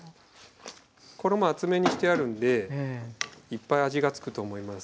衣厚めにしてあるんでいっぱい味がつくと思います。